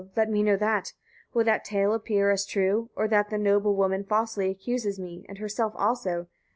let me know that. Will that tale appear as true, or that the noble woman falsely accuses me, and herself also.